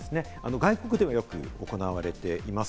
外国では、よく行われています。